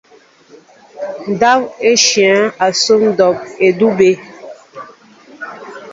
Ndáw e nsháŋa asó mbón edube.